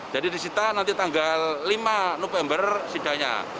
jadi disita nanti tanggal lima november sidangnya